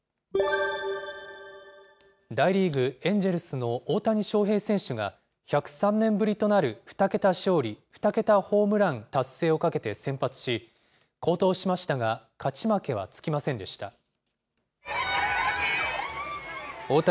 大リーグ・エンジェルスの大谷翔平選手が１０３年ぶりとなる２桁勝利、２桁ホームラン達成をかけて先発し、好投しましたが、勝ち負けはつきませんでした。